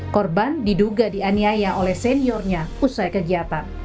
korban diduga dianiaya oleh seniornya usai kegiatan